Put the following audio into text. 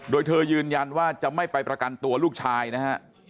โดยเธอยืนยันว่าจะไม่ไปประกันตัวลูกชายนะฮะ